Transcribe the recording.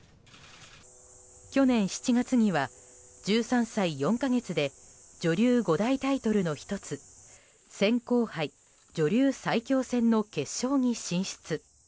去年７月には１３歳４か月で女流五大タイトルの１つ扇興杯女流最強戦の決勝に進出。